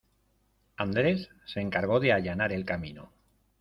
Andrés se encargó de allanar el camino.